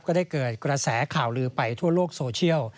ก็ได้เกิดกระแสข่าวลือไปทั่วโลกโซเชียล